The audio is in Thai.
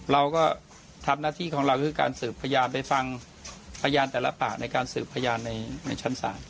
เราก็ทำหน้าที่ของเราคือการสืบพยานไปฟังพยานแต่ละปากในการสืบพยานในชั้นศาล